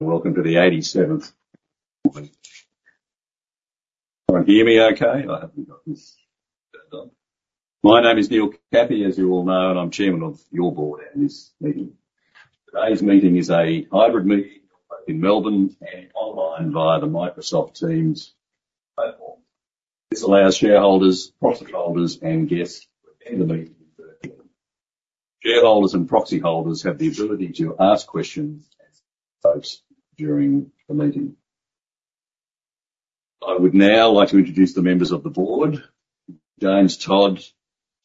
Welcome to the 87th. Can hear me okay? I haven't got this done. My name is Neil Cathie, as you all know, and I'm Chairman of your board at this meeting. Today's meeting is a hybrid meeting, both in Melbourne and online via the Microsoft Teams platform. This allows shareholders, proxy holders, and guests to attend the meeting. Shareholders and proxy holders have the ability to ask questions and votes during the meeting. I would now like to introduce the members of the board: James Todd,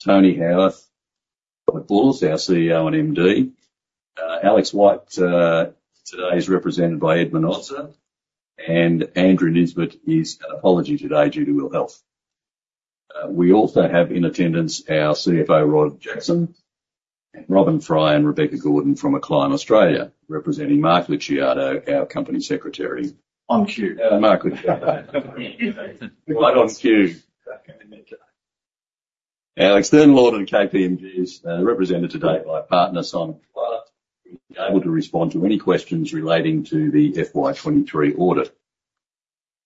Tony Howarth, Robert Bulluss, our CEO and MD. Alex White today is represented by Edmund Ödser and Andrew Nisbet is apology today due to ill health. We also have in attendance our CFO, Rod Jackson, and Robyn Fry and Rebecca Gordon from Acclime Australia, representing Mark Lucciardo, our Company Secretary. On queue. Mark Lucciardo. Right on cue. Our external auditor, KPMG, is represented today by Partner Simon Quill, who will be able to respond to any questions relating to the FY 2023 audit.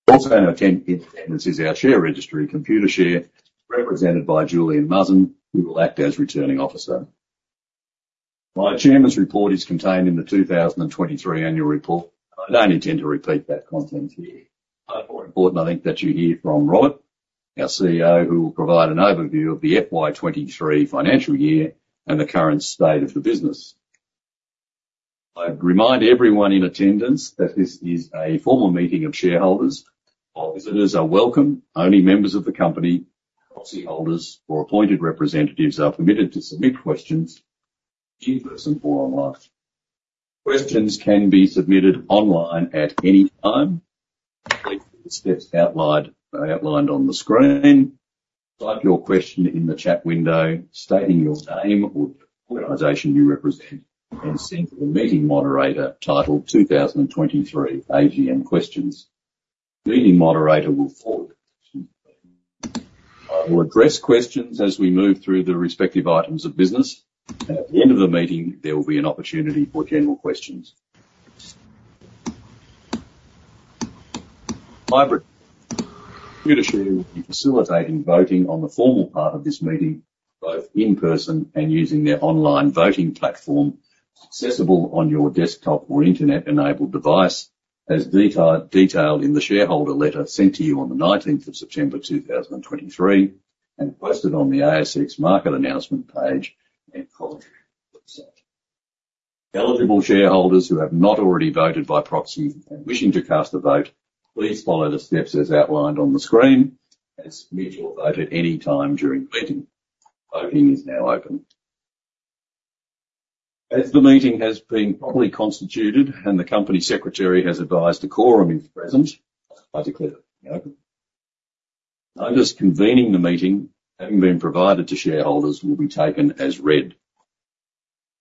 Also in attendance is our share registry, Computershare, represented by Julian Mazza, who will act as Returning Officer. My Chairman's Report is contained in the 2023 Annual Report. I don't intend to repeat that content here. More important, I think, that you hear from Robert, our CEO, who will provide an overview of the FY 2023 financial year and the current state of the business. I'd remind everyone in attendance that this is a formal meeting of shareholders. While visitors are welcome, only members of the company, proxy holders, or appointed representatives are permitted to submit questions in person or online. Questions can be submitted online at any time. Please follow the steps outlined on the screen. Type your question in the chat window, stating your name or the organization you represent, and send to the meeting moderator titled 2023 AGM questions. The meeting moderator will forward. I will address questions as we move through the respective items of business, and at the end of the meeting, there will be an opportunity for general questions. Lastly, Computershare will be facilitating voting on the formal part of this meeting, both in person and using their online voting platform, accessible on your desktop or Internet-enabled device, as detailed in the shareholder letter sent to you on the 19th of September 2023 and posted on the ASX Market Announcement page and company website. Eligible shareholders who have not already voted by proxy and wishing to cast a vote, please follow the steps as outlined on the screen and submit your vote at any time during the meeting. Voting is now open. As the meeting has been properly constituted and the Company Secretary has advised a quorum is present, I declare it open. Notice convening the meeting, having been provided to shareholders, will be taken as read.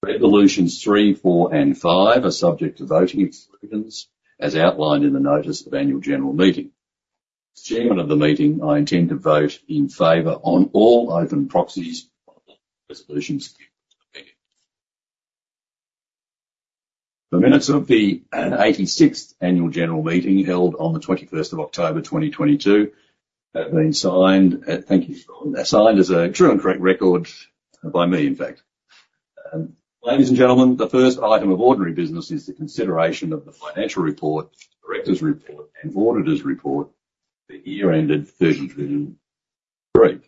Resolutions 3, 4, and 5 are subject to voting exclusions as outlined in the Notice of Annual General Meeting. As Chairman of the meeting, I intend to vote in favor on all open proxies, resolutions. The minutes of the 86th Annual General Meeting, held on the 21st of October 2022, have been signed at. Thank you, Robert. Signed as a true and correct record by me, in fact. Ladies and gentlemen, the first item of ordinary business is the consideration of the Financial Report, Directors' Report, and Auditors' Report for the year ended 2023.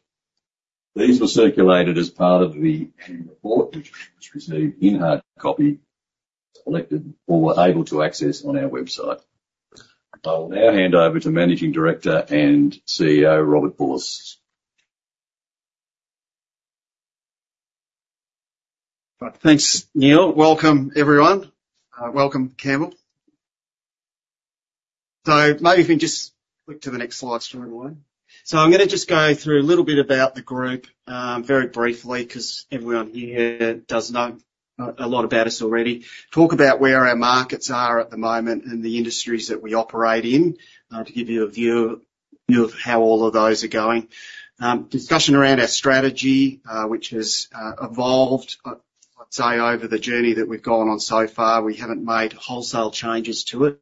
These were circulated as part of the Annual Report, which you received in hard copy, selected, or were able to access on our website. I will now hand over to Managing Director and CEO, Robert Bulluss. Thanks, Neil. Welcome, everyone. Welcome, Campbell. Maybe if you just click to the next slide, storyline. I'm gonna just go through a little bit about the group very briefly because everyone here does know a lot about us already. Talk about where our markets are at the moment and the industries that we operate in to give you a view of how all of those are going. Discussion around our strategy, which has evolved, I'd say, over the journey that we've gone on so far. We haven't made wholesale changes to it.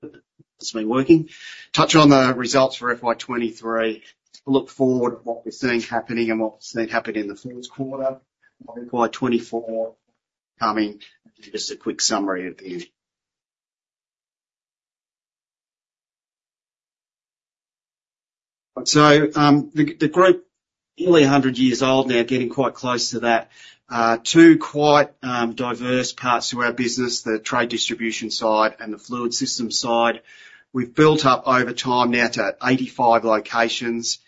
It's been working. Touch on the results for FY 2023. Look forward at what we're seeing happening and what we're seeing happening in the first quarter of FY 2024 coming. Just a quick summary at the end. The group, nearly 100 years old now, getting quite close to that. Two quite diverse parts to our business, the Trade Distribution side and the Fluid System side. We've built up over time now to 85 locations,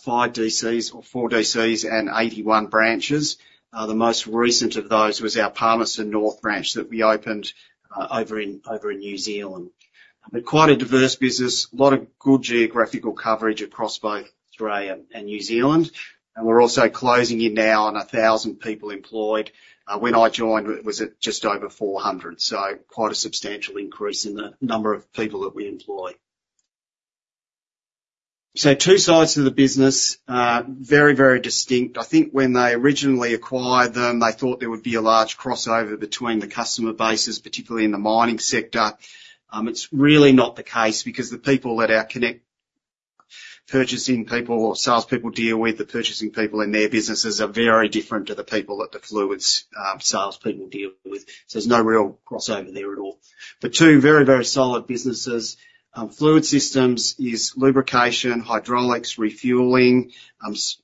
five D.C.s or four D.C.s and 81 branches. The most recent of those was our Palmerston North branch that we opened over in New Zealand. Quite a diverse business, a lot of good geographical coverage across both Australia and New Zealand, and we're also closing in now on 1,000 people employed. When I joined, it was at just over 400, so quite a substantial increase in the number of people that we employ. Two sides of the business are very, very distinct. I think when they originally acquired them, they thought there would be a large crossover between the customer bases, particularly in the mining sector. It's really not the case because the people at our Konnect, purchasing people or salespeople deal with the purchasing people in their businesses are very different to the people that the Fluids salespeople deal with. There's no real crossover there at all. Two very, very solid businesses. Fluid Systems is lubrication, hydraulics, refueling,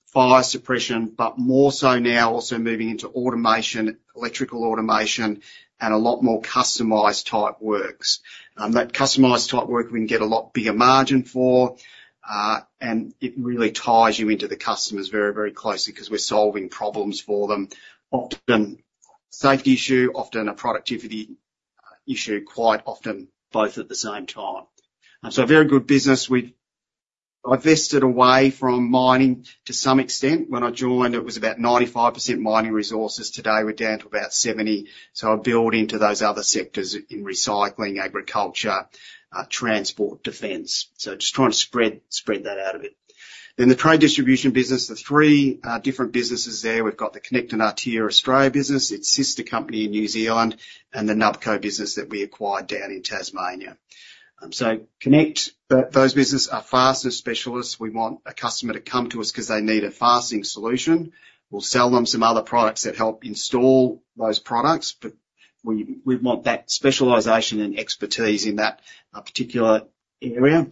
fire suppression, but more so now also moving into automation, electrical automation, and a lot more customized type works. That customized type work we can get a lot bigger margin for, and it really ties you into the customers very, very closely 'cause we're solving problems for them. Often safety issue, often a productivity issue, quite often both at the same time. A very good business. I divested away from mining to some extent. When I joined, it was about 95% mining resources. Today, we're down to about 70%, so I build into those other sectors in recycling, agriculture, transport, defense. Just trying to spread that out a bit. The trade distribution business, the three different businesses there. We've got the Konnect Artia Australia business, its sister company in New Zealand, and the Nubco business that we acquired down in Tasmania. Konnect, those businesses are fastener specialists. We want a customer to come to us 'cause they need a fastening solution. We'll sell them some other products that help install those products, but we want that specialization and expertise in that particular area.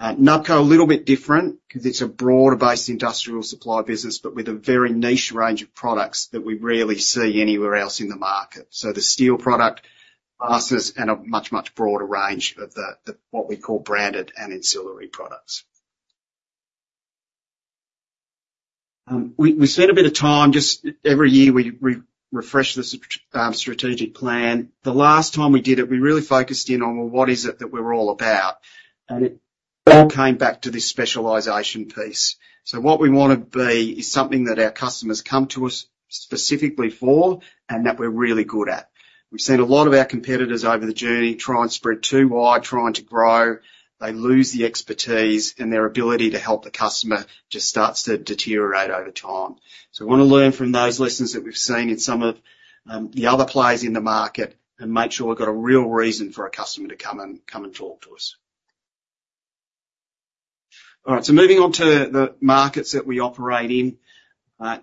Nubco, a little bit different 'cause it's a broader-based industrial supply business, but with a very niche range of products that we rarely see anywhere else in the market. The steel products, fasteners, and a much, much broader range of what we call branded and ancillary products. We spend a bit of time every year, we refresh the strategic plan. The last time we did it, we really focused in on, well, what is it that we're all about? It all came back to this specialization piece. What we wanna be is something that our customers come to us specifically for and that we're really good at. We've seen a lot of our competitors over the journey try and spread too wide, trying to grow. They lose the expertise, and their ability to help the customer just starts to deteriorate over time. We want to learn from those lessons that we've seen in some of the other players in the market and make sure we've got a real reason for a customer to come and talk to us. All right, so moving on to the markets that we operate in.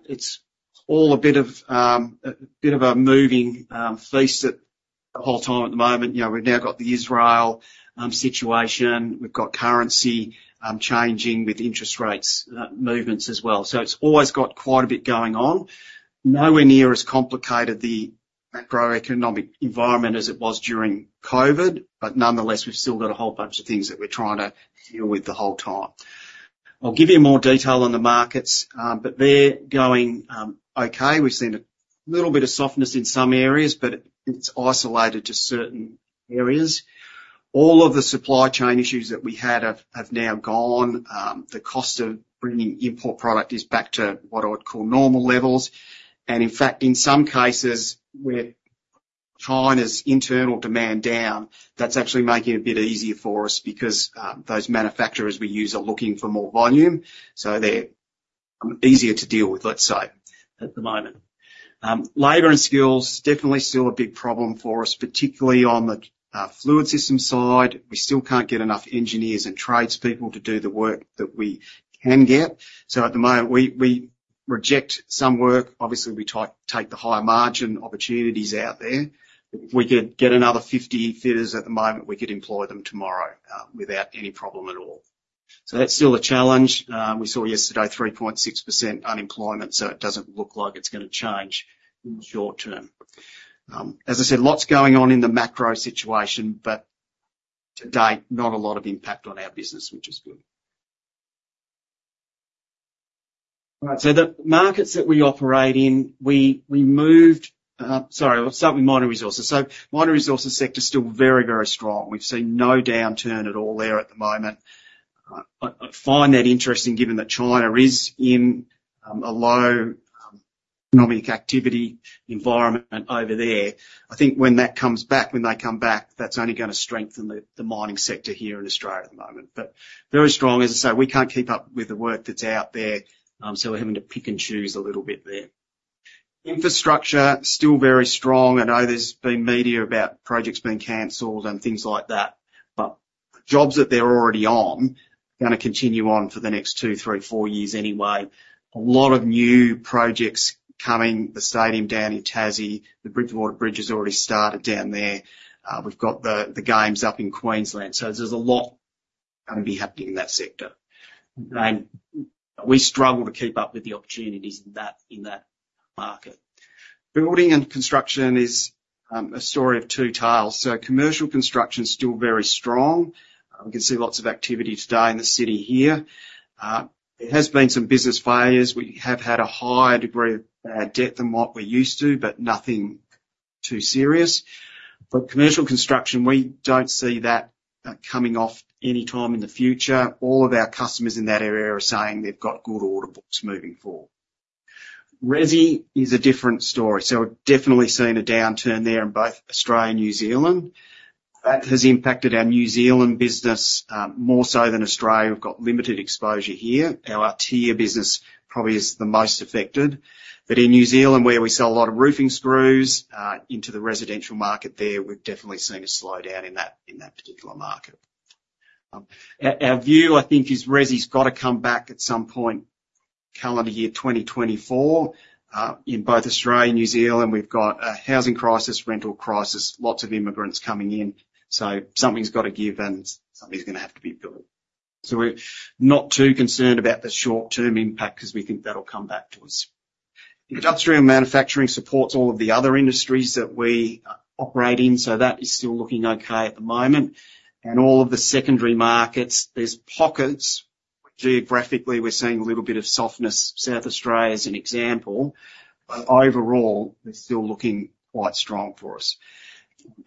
It's all a bit of a moving feast the whole time at the moment. You know, we've now got the Israel situation, we've got currency changing with interest rates movements as well. It's always got quite a bit going on. Nowhere near as complicated the macroeconomic environment as it was during COVID, but nonetheless, we've still got a whole bunch of things that we're trying to deal with the whole time. I'll give you more detail on the markets, but they're going okay. We've seen a little bit of softness in some areas, but it's isolated to certain areas. All of the supply chain issues that we had have now gone. The cost of bringing import product is back to what I would call normal levels, and in fact, in some cases, with China's internal demand down, that's actually making it a bit easier for us because those manufacturers we use are looking for more volume, so they're easier to deal with, let's say, at the moment. Labor and skills, definitely still a big problem for us, particularly on the Fluid Systems side. We still can't get enough engineers and tradespeople to do the work that we can get. So at the moment, we reject some work. Obviously, we try to take the higher margin opportunities out there. If we could get another 50 fitters at the moment, we could employ them tomorrow without any problem at all. That's still a challenge. We saw yesterday 3.6% unemployment, so it doesn't look like it's gonna change in the short term. As I said, lots going on in the macro situation, but to date, not a lot of impact on our business, which is good. All right, the markets that we operate in, sorry, we'll start with mining resources. Mining resources sector is still very, very strong. We've seen no downturn at all there at the moment. I find that interesting, given that China is in a low economic activity environment over there. I think when that comes back, when they come back, that's only gonna strengthen the mining sector here in Australia at the moment. Very strong. As I say, we can't keep up with the work that's out there, so we're having to pick and choose a little bit there. Infrastructure, still very strong. I know there's been media about projects being canceled and things like that, but jobs that they're already on gonna continue on for the next two, three, four years anyway. A lot of new projects coming. The stadium down in Tassie, the Bridgewater Bridge, has already started down there. We've got the games up in Queensland, so there's a lot gonna be happening in that sector. We struggle to keep up with the opportunities in that market. Building and construction is a story of two tales, so commercial construction is still very strong. We can see lots of activity today in the city here. There has been some business failures. We have had a higher degree of debt than what we're used to, but nothing too serious. Commercial construction, we don't see that coming off anytime in the future. All of our customers in that area are saying they've got good order books moving forward. Resi is a different story. We're definitely seeing a downturn there in both Australia and New Zealand. That has impacted our New Zealand business more so than Australia. We've got limited exposure here. Our Artia business probably is the most affected.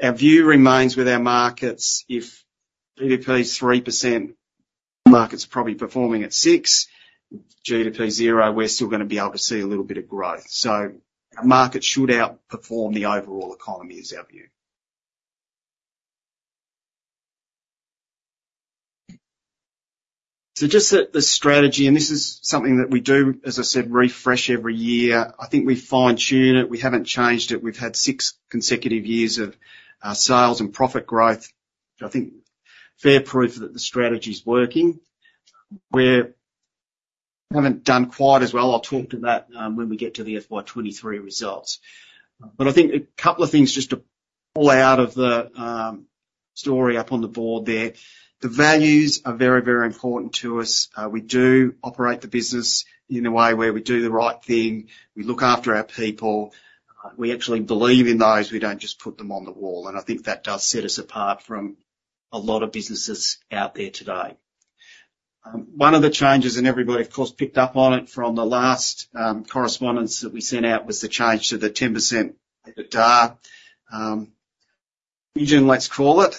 Our view remains with our markets. If GDP is 3%, market's probably performing at 6 GDP0, we're still gonna be able to see a little bit of growth. Our market should outperform the overall economy is our view. Just the strategy, and this is something that we do, as I said, refresh every year. I think we fine-tune it. We haven't changed it. We've had six consecutive years of sales and profit growth. I think fair proof that the strategy's working. Haven't done quite as well. I'll talk to that when we get to the FY 2023 results. I think a couple of things just to pull out of the story up on the board there. The values are very, very important to us. We do operate the business in a way where we do the right thing, we look after our people. We actually believe in those, we don't just put them on the wall, and I think that does set us apart from a lot of businesses out there today. One of the changes, and everybody, of course, picked up on it from the last correspondence that we sent out, was the change to the 10% EBITDA region, let's call it.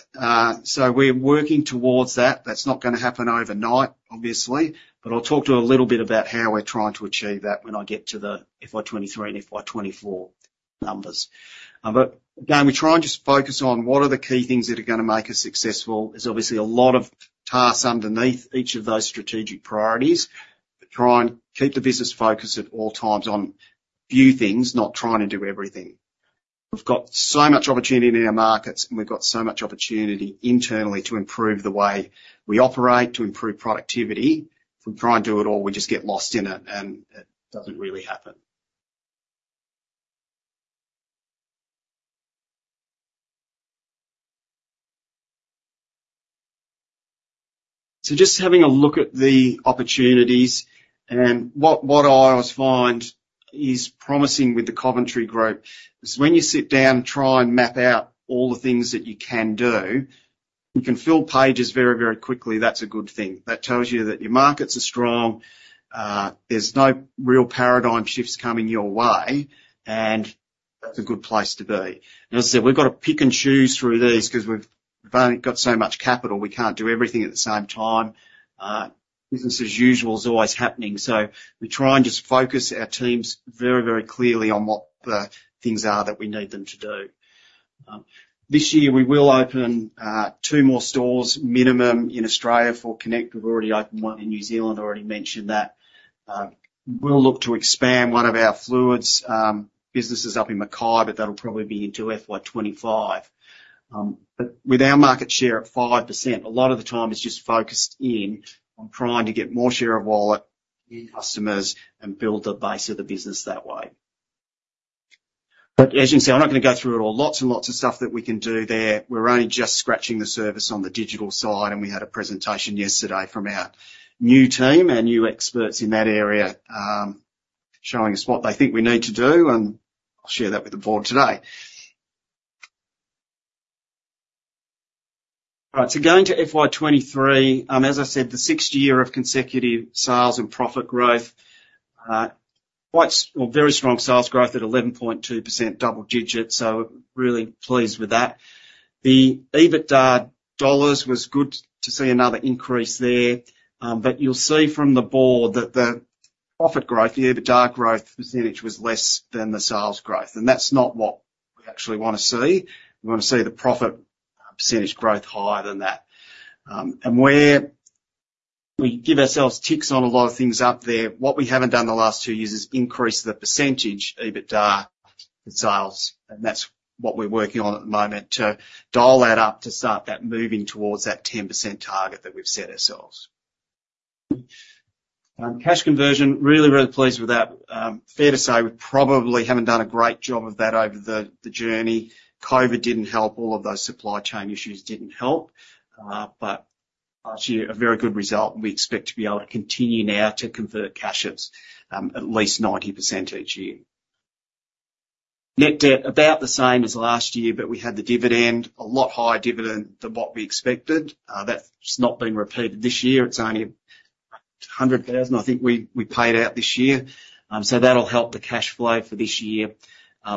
So we're working towards that. That's not going to happen overnight, obviously, but I'll talk to you a little bit about how we're trying to achieve that when I get to the FY 2023 and FY 2024 numbers. Again, we try and just focus on what are the key things that are going to make us successful. There's obviously a lot of tasks underneath each of those strategic priorities, but try and keep the business focused at all times on a few things, not trying to do everything. We've got so much opportunity in our markets, and we've got so much opportunity internally to improve the way we operate, to improve productivity. If we try and do it all, we just get lost in it and it doesn't really happen. Just having a look at the opportunities, and what I always find is promising with Coventry Group is when you sit down and try and map out all the things that you can do, you can fill pages very, very quickly. That's a good thing. That tells you that your markets are strong, there's no real paradigm shifts coming your way, and that's a good place to be. As I said, we've got to pick and choose through these because we've only got so much capital. We can't do everything at the same time. Business as usual is always happening, so we try and just focus our teams very, very clearly on what the things are that we need them to do. This year, we will open two more stores, minimum, in Australia for Konnect. We've already opened one in New Zealand. I already mentioned that. We'll look to expand one of our fluids businesses up in Mackay, but that'll probably be into FY 2025. With our market share at 5%, a lot of the time is just focused in on trying to get more share of wallet in customers and build the base of the business that way. As you can see, I'm not gonna go through it all. Lots and lots of stuff that we can do there. We're only just scratching the surface on the digital side, and we had a presentation yesterday from our new team, our new experts in that area, showing us what they think we need to do, and I'll share that with the Board today. All right, going to FY 2023, and as I said, the sixth year of consecutive sales and profit growth. Well, very strong sales growth at 11.2%, double digits, so really pleased with that. The EBITDA dollars was good to see another increase there. You'll see from the Board that the profit growth, the EBITDA growth percentage was less than the sales growth, and that's not what we actually want to see. We want to see the profit percentage growth higher than that. Where we give ourselves ticks on a lot of things up there, what we haven't done in the last two years is increase the percentage EBITDA in sales, and that's what we're working on at the moment to dial that up to start that moving towards that 10% target that we've set ourselves. Cash conversion, really, really pleased with that. Fair to say we probably haven't done a great job of that over the journey. COVID didn't help. All of those supply chain issues didn't help. Last year, a very good result, and we expect to be able to continue now to convert cash ups at least 90% each year. Net debt, about the same as last year, but we had the dividend, a lot higher dividend than what we expected. That's not been repeated this year. It's only 100,000, I think we paid out this year. That'll help the cash flow for this year.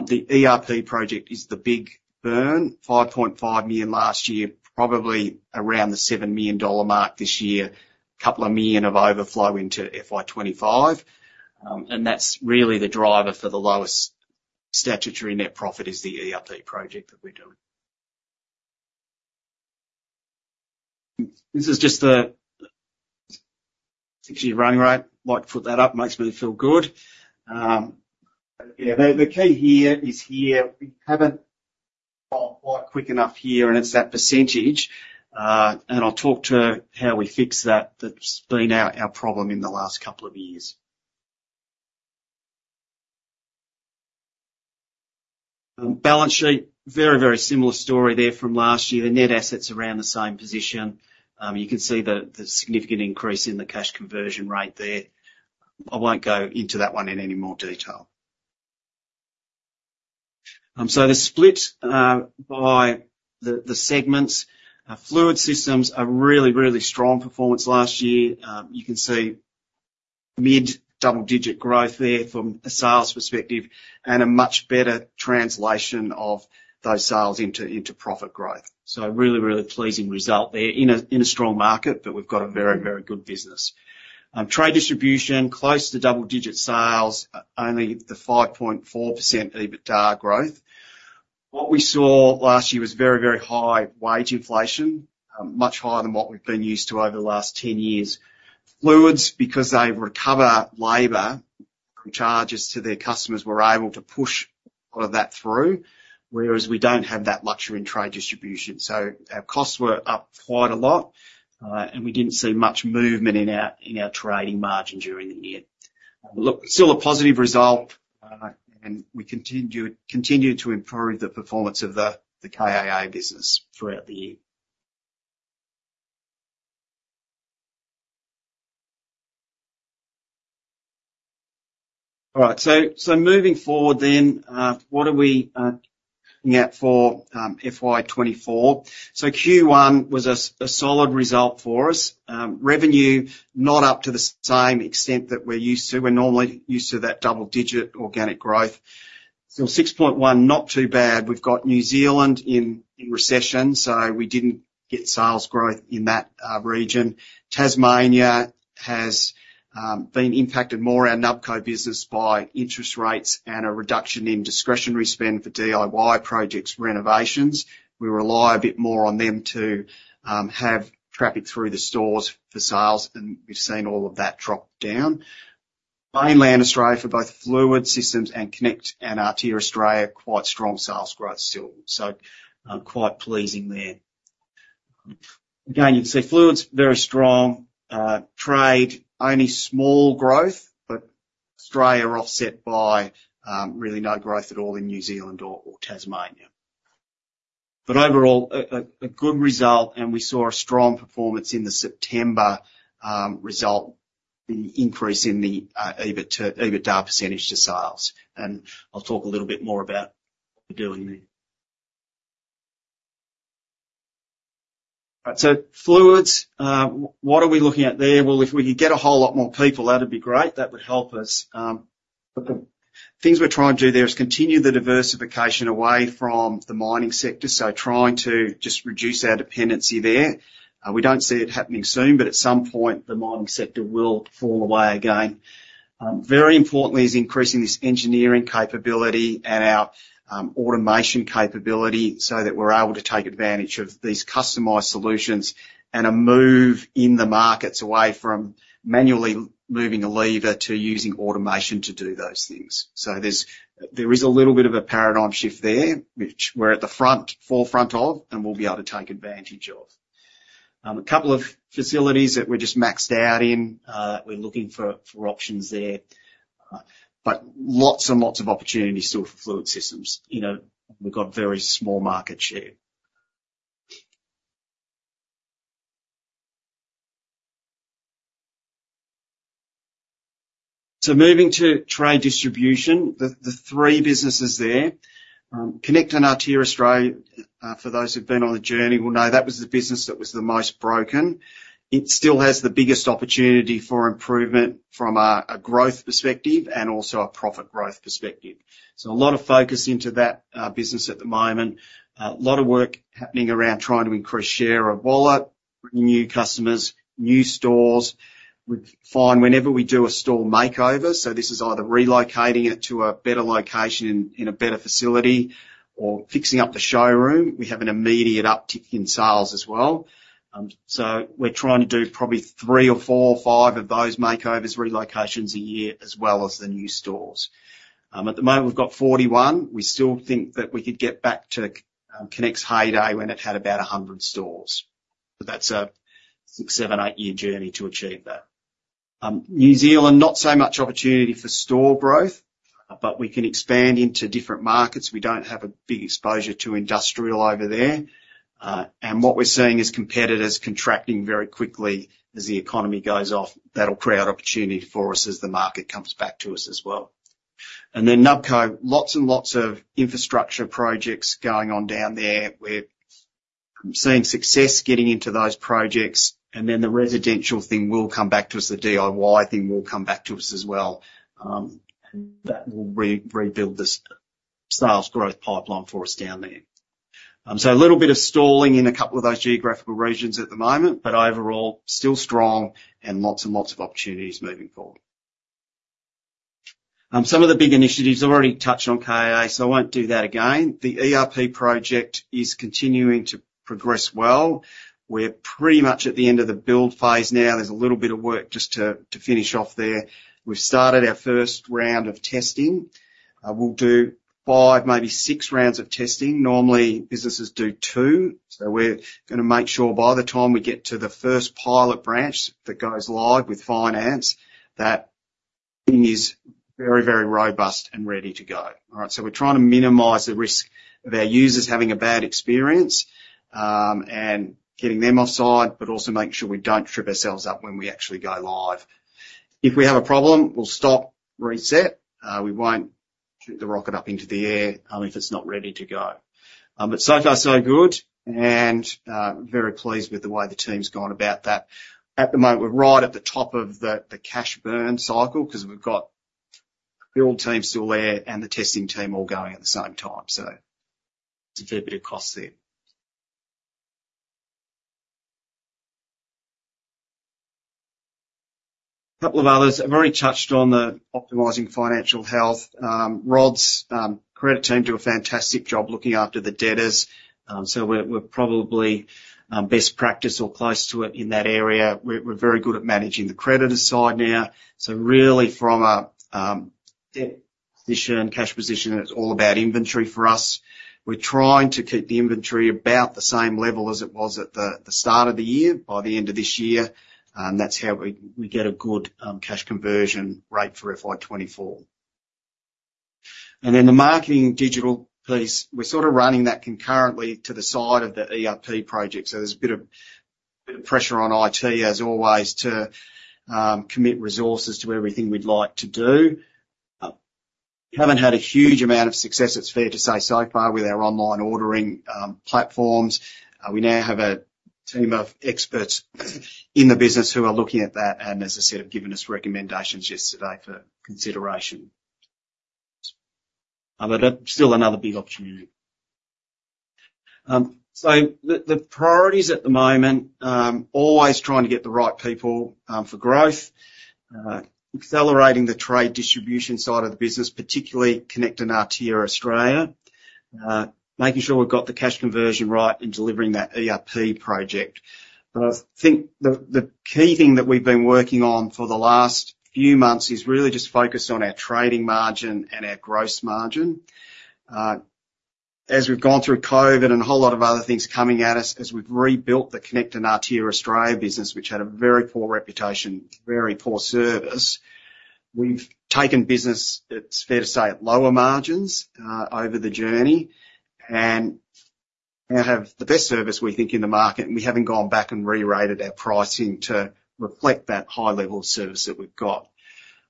The ERP project is the big burn, 5.5 million last year, probably around the 7 million dollar mark this year. 2 million of overflow into FY 2025. That's really the driver for the lowest statutory net profit is the ERP project that we're doing. This is just the actually running rate. Like to put that up. Makes me feel good. Yeah, the key here is here. We haven't quite quick enough here, and it's that percentage. I'll talk to how we fix that. That's been our problem in the last couple of years. Balance sheet, very, very similar story there from last year. The net assets around the same position. You can see the significant increase in the cash conversion rate there. I won't go into that one in any more detail. The split by the segments, Fluid Systems are really, really strong performance last year. You can see mid-double-digit growth there from a sales perspective and a much better translation of those sales into profit growth. A really, really pleasing result there in a strong market, but we've got a very, very good business. Trade Distribution, close to double-digit sales, only the 5.4% EBITDA growth. 6.1, not too bad. We've got New Zealand in recession, so we didn't get sales growth in that region. Tasmania has been impacted more, our Nubco business, by interest rates and a reduction in discretionary spend for DIY projects, renovations. We rely a bit more on them to have traffic through the stores for sales, and we've seen all of that drop down. Mainland Australia for both Fluid Systems and Konnect and Artia Australia, quite strong sales growth still, so quite pleasing there. Again, you can see Fluids, very strong. Trade, only small growth, but Australia are offset by really no growth at all in New Zealand or Tasmania. Overall, a good result, and we saw a strong performance in the September result, the increase in the EBIT, EBITDA percentage to sales, and I'll talk a little bit more about what we're doing there. Fluids, what are we looking at there? Well, if we could get a whole lot more people, that'd be great. That would help us. The things we're trying to do there is continue the diversification away from the mining sector, so trying to just reduce our dependency there. We don't see it happening soon, but at some point, the mining sector will fall away again. Very importantly is increasing this engineering capability and our automation capability so that we're able to take advantage of these customized solutions, and a move in the markets away from manually moving a lever to using automation to do those things. There is a little bit of a paradigm shift there, which we're at the forefront of, and we'll be able to take advantage of. A couple of facilities that we're just maxed out in, we're looking for options there, but lots and lots of opportunities still for Fluid Systems. You know, we've got very small market share. Moving to Trade Distribution, the three businesses there. Konnect Artia Australia, for those who've been on the journey will know that was the business that was the most broken. It still has the biggest opportunity for improvement from a growth perspective and also a profit growth perspective. A lot of focus into that business at the moment. A lot of work happening around trying to increase share of wallet, new customers, new stores. We find whenever we do a store makeover, so this is either relocating it to a better location in a better facility or fixing up the showroom, we have an immediate uptick in sales as well. We're trying to do probably three or four or five of those makeovers, relocations a year, as well as the new stores. At the moment, we've got 41. We still think that we could get back to Konnect's heyday when it had about 100 stores. That's a six, seven, eight-year journey to achieve that. New Zealand, not so much opportunity for store growth, but we can expand into different markets. We don't have a big exposure to industrial over there. What we're seeing is competitors contracting very quickly as the economy goes off. That'll create opportunity for us as the market comes back to us as well. Nubco, lots and lots of infrastructure projects going on down there. I'm seeing success getting into those projects, and then the residential thing will come back to us. The DIY thing will come back to us as well, and that will rebuild the sales growth pipeline for us down there. A little bit of stalling in a couple of those geographical regions at the moment, but overall, still strong and lots and lots of opportunities moving forward. Some of the big initiatives I've already touched on K.A., so I won't do that again. The ERP project is continuing to progress well. We're pretty much at the end of the build phase now. There's a little bit of work just to finish off there. We've started our first round of testing. We'll do five, maybe six rounds of testing. Normally, businesses do two, so we're gonna make sure by the time we get to the first pilot branch that goes live with finance, that thing is very, very robust and ready to go. All right? We're trying to minimize the risk of our users having a bad experience and getting them onside, but also making sure we don't trip ourselves up when we actually go live. If we have a problem, we'll stop, reset. We won't shoot the rocket up into the air if it's not ready to go. So far, so good, and very pleased with the way the team's gone about that. At the moment, we're right at the top of the cash burn cycle because we've got the build team still there and the testing team all going at the same time. It's a fair bit of cost there. A couple of others. I've already touched on the optimizing financial health. Rod's credit team do a fantastic job looking after the debtors. We're probably best practice or close to it in that area. We're very good at managing the creditor side now. Really, from a debt position, cash position, it's all about inventory for us. We're trying to keep the inventory about the same level as it was at the start of the year by the end of this year, and that's how we get a good cash conversion rate for F.Y. 2024. The marketing and digital piece, we're sort of running that concurrently to the side of the ERP project. There's a bit of pressure on I.T., as always, to commit resources to everything we'd like to do. We haven't had a huge amount of success, it's fair to say, so far with our online ordering platforms. We now have a team of experts in the business who are looking at that, and as I said, have given us recommendations yesterday for consideration. Still another big opportunity. The priorities at the moment, always trying to get the right people for growth, accelerating the trade distribution side of the business, particularly Konnect and Artia Australia, making sure we've got the cash conversion right and delivering that ERP project. I think the key thing that we've been working on for the last few months is really just focus on our trading margin and our gross margin. As we've gone through COVID and a whole lot of other things coming at us, as we've rebuilt the Konnect and Artia Australia business, which had a very poor reputation, very poor service, we've taken business, it's fair to say, at lower margins over the journey, and now have the best service, we think, in the market, and we haven't gone back and rerated our pricing to reflect that high level of service that we've got.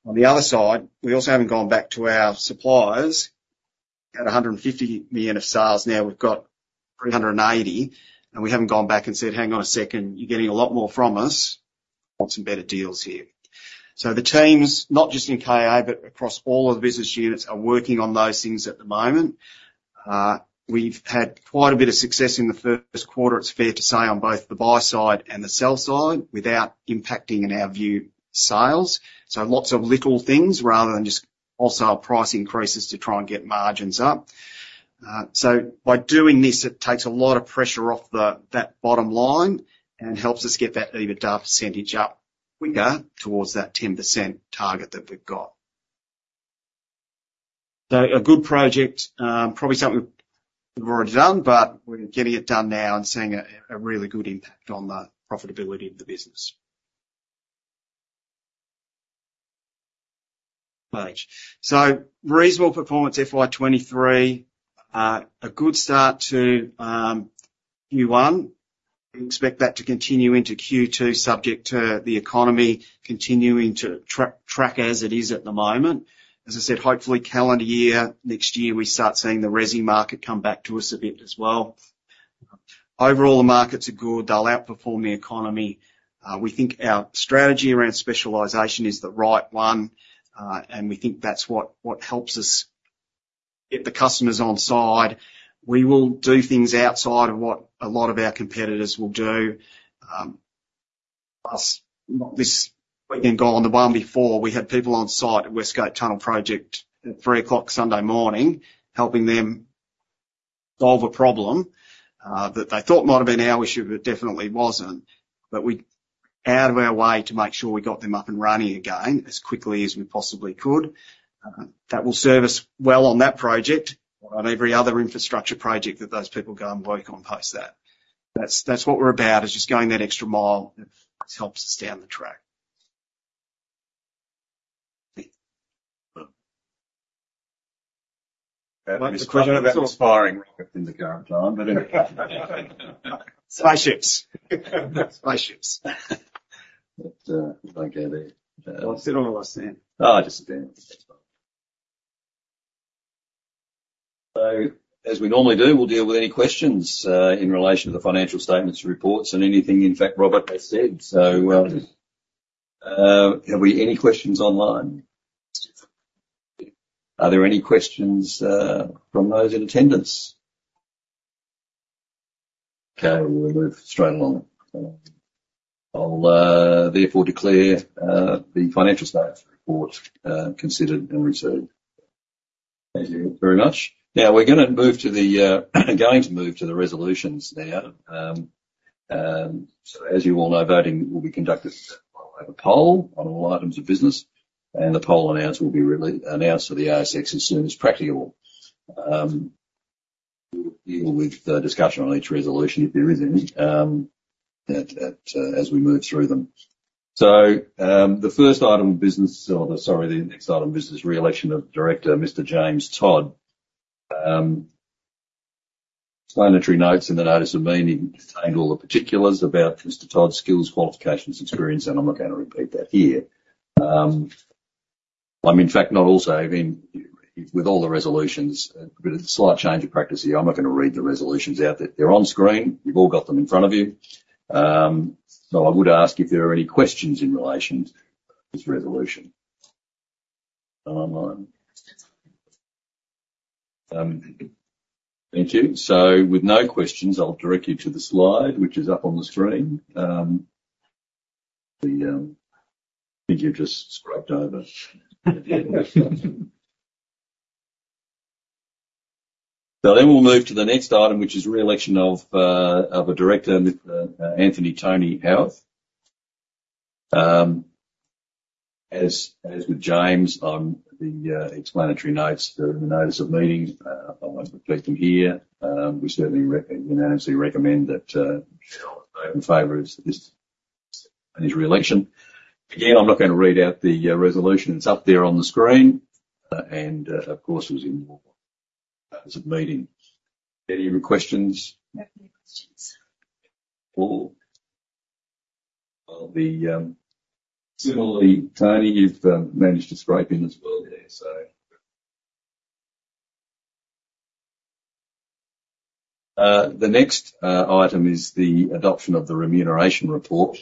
On the other side, we also haven't gone back to our suppliers at 150 million of sales. Now we've got 380, and we haven't gone back and said: "Hang on a second, you're getting a lot more from us. Want some better deals here?" The teams, not just in KA, but across all of the business units, are working on those things at the moment. We've had quite a bit of success in the first quarter, it's fair to say, on both the buy side and the sell side, without impacting, in our view, sales. Lots of little things rather than just wholesale price increases to try and get margins up. By doing this, it takes a lot of pressure off that bottom line and helps us get that EBITDA percentage up quicker towards that 10% target that we've got. A good project, probably something we've already done, but we're getting it done now and seeing a really good impact on the profitability of the business. Reasonable performance, FY 2023. A good start to Q1. We expect that to continue into Q2, subject to the economy continuing to track as it is at the moment. As I said, hopefully, calendar year, next year, we start seeing the Resi market come back to us a bit as well. Overall, the markets are good. They'll outperform the economy. We think our strategy around specialization is the right one, and we think that's what helps us get the customers on side. We will do things outside of what a lot of our competitors will do. Plus, not this weekend gone, the one before, we had people on site at West Gate Tunnel Project at 3:00 A.M. Sunday morning, helping them solve a problem that they thought might have been our issue, but it definitely wasn't. We went out of our way to make sure we got them up and running again as quickly as we possibly could. That will serve us well on that project or on every other infrastructure project that those people go and work on post that. That's what we're about, is just going that extra mile. It helps us down the track. There's a question about trading in the current time, but anyway. Slide sheets. Slide sheets. Okay, there. Do I sit or do I stand? Oh, just stand. That's fine. As we normally do, we'll deal with any questions in relation to the financial statements, reports, and anything, in fact, Robert has said. Have we any questions online? Are there any questions from those in attendance? Okay, we'll move straight along. I'll therefore declare the financial statements report considered and received. Thank you very much. Now, we're gonna move to the resolutions now. As you all know, voting will be conducted by a poll on all items of business, and the poll announced will be really announced to the ASX as soon as practicable. We'll deal with the discussion on each resolution, if there is any, as we move through them. The first item of business or the, sorry, the next item of business, re-election of Director, Mr. James Todd. Explanatory notes in the notice of meeting contained all the particulars about Mr. Todd's skills, qualifications, experience, and I'm not going to repeat that here. I'm in fact, not also, I mean, with all the resolutions, a bit of slight change of practice here, I'm not going to read the resolutions out there. They're on screen. You've all got them in front of you. I would ask if there are any questions in relation to this resolution online. Thank you. With no questions, I'll direct you to the slide, which is up on the screen. I think you've just scraped over. We'll move to the next item, which is re-election of a Director, Mr. Anthony Tony Howarth. As with James, on the explanatory notes, the notice of meetings, I won't repeat them here. We certainly unanimously recommend that in favor of this, his re-election. Again, I'm not going to read out the resolution. It's up there on the screen and, of course, it was in your notice of meeting. Any questions? No further questions. Cool. Well, similarly, Tony, you've managed to scrape in as well there. The next item is the adoption of the remuneration report.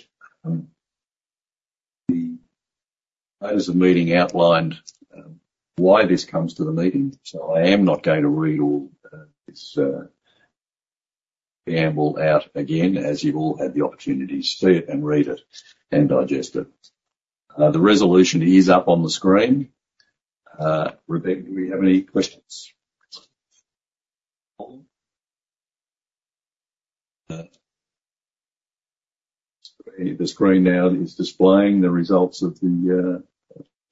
The notice of the meeting outlined why this comes to the meeting, so I am not going to read all this gamble out again, as you've all had the opportunity to see it and read it and digest it. The resolution is up on the screen. Rebecca, do we have any questions? The screen now is displaying the results of the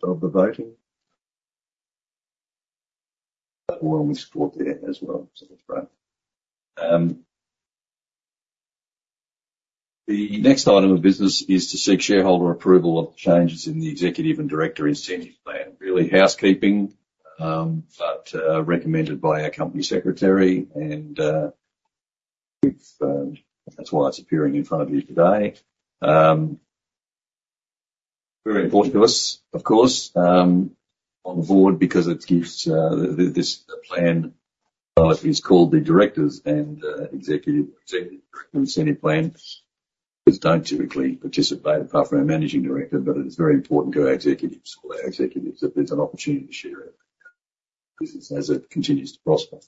voting. Well, we scored there as well, so that's great. The next item of business is to seek shareholder approval of the changes in the Executive and Director Incentive Plan. Really housekeeping, but recommended by our Company Secretary, and that's why it's appearing in front of you today. Very important to us, of course, on the board, because it gives this plan, while it is called the Directors and Executive Incentive Plan, directors don't typically participate, apart from our Managing Director, but it is very important to our executives, all our executives, that there's an opportunity to share it, business as it continues to prosper.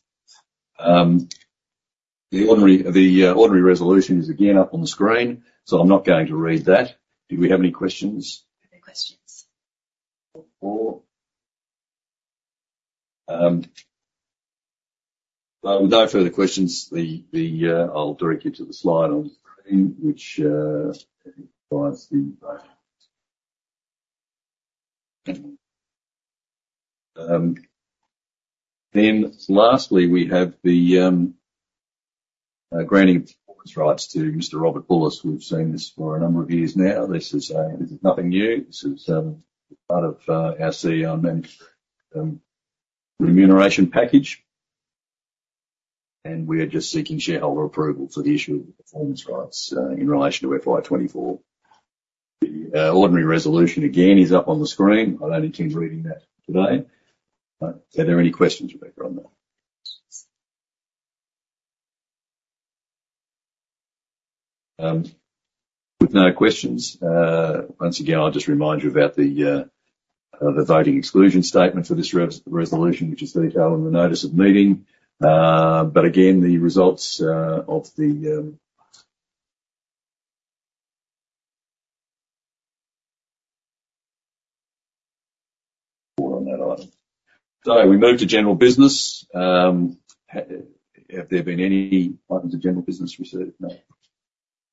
The ordinary resolution is again up on the screen, so I'm not going to read that. Do we have any questions? Any questions? Well, no further questions. I'll direct you to the slide on the screen, which provides the... Lastly, we have the granting of performance rights to Mr. Robert Bulluss. We've seen this for a number of years now. This is nothing new. This is part of our CEO remuneration package, and we are just seeking shareholder approval for the issue of performance rights in relation to FY 2024. The ordinary resolution, again, is up on the screen. I don't intend reading that today. Are there any questions, Rebecca, on that? With no questions, once again, I'll just remind you about the voting exclusion statement for this resolution, which is detailed in the Notice of Meeting. Again, the results of the vote on that item. We move to General Business. Have there been any items of General Business received? No.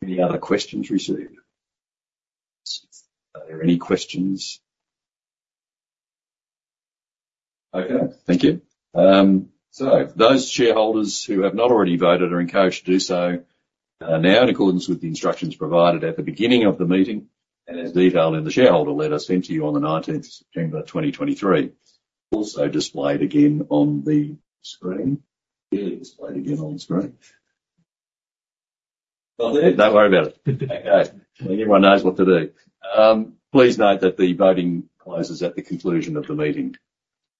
Any other questions received? Are there any questions? Okay, thank you. Those shareholders who have not already voted are encouraged to do so now, in accordance with the instructions provided at the beginning of the meeting and as detailed in the Shareholder Letter sent to you on the 19th of September 2023. Also displayed again on the screen. Yeah, displayed again on screen. Not there? Don't worry about it. Okay, everyone knows what to do. Please note that the voting closes at the conclusion of the meeting.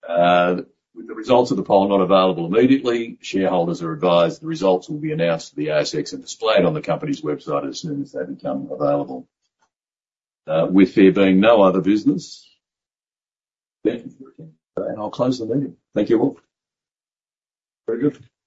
With the results of the poll not available immediately, shareholders are advised the results will be announced to the ASX and displayed on the company's website as soon as they become available. With there being no other business, thank you, and I'll close the meeting. Thank you all. Very good.